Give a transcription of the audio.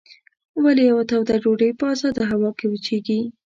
ولې یوه توده ډوډۍ په ازاده هوا کې وچیږي؟